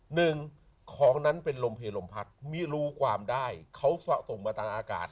หนึ่งของนั้นเป็นลมเพลลมพัดไม่รู้ความได้เขาสะสมมาทางอากาศ